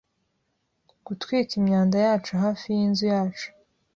gutwika imyanda yacu hafi yinzu yacu.